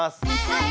はい！